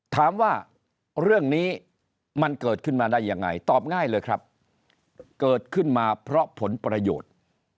ถามว่าเรื่องนี้มันเกิดขึ้นมาได้ยังไงตอบง่ายเลยครับเกิดขึ้นมาเพราะผลประโยชน์